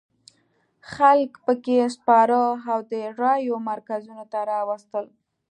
خلک یې په کې سپاره او د رایو مرکزونو ته راوستل.